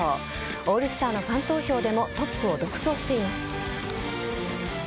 オールスターのファン投票でもトップを独走しています。